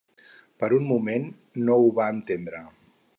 Per un moment no ho va entendre.